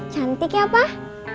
cantik ya pak